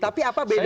tapi apa bedanya